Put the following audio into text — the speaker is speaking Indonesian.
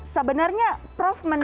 sebenarnya prof menilai